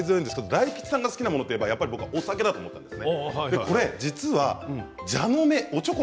大吉さんが好きなものといえば僕はお酒だと思ったんです。